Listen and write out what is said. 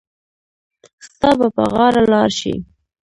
ستا به په غاړه لار شي.